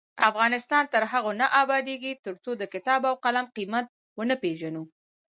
افغانستان تر هغو نه ابادیږي، ترڅو د کتاب او قلم قیمت ونه پیژنو.